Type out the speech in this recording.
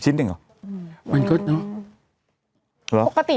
เห้ยแต่ดี